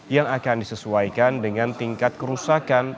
yang akan disesuaikan dengan tingkat kerusakan